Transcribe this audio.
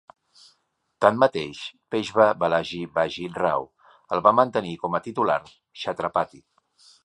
Tanmateix, Peshwa Balaji Baji Rao el va mantenir com a titular Chhatrapati.